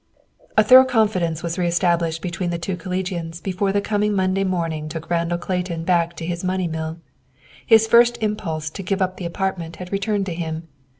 A thorough confidence was reestablished between the two collegians before the coming of Monday morning took Randall Clayton back to his money mill. His first impulse to give up the apartment had returned to him.